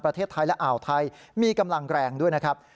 ประเทศไทยและอ่าวไทยมีกำลังแรงด้วยนะครับ